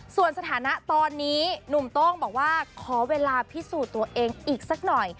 ส่วนสถานะตอนนี้หนุ่มโต้งบอกว่าขอเวลาพิสูจน์ตัวเองอีกสักหน่อย